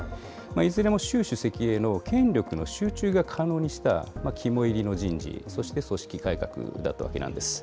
いずれも習主席への権力の集中が可能にした肝煎りの人事、そして組織改革だったわけなんです。